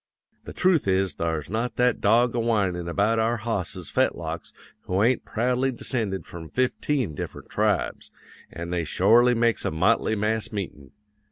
The trooth is thar's not that dog a whinin' about our hosses' fetlocks who ain't proudly descended from fifteen different tribes, an' they shorely makes a motley mass meetin'.